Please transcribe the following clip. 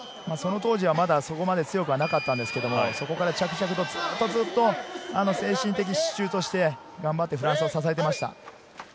当時はまだそこまで強くなかったんですけど、そこから着々とずっとぞっと、精神的支柱として頑張ってフランスを支えていました。